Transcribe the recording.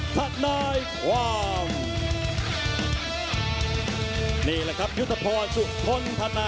สวัสดีทุกคน